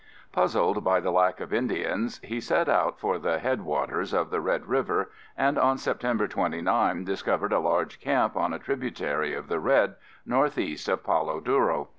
Puzzled by the lack of Indians he set out for the headwaters of the Red River and on September 29, discovered a large camp on a tributary of the Red, northeast of Palo Duro.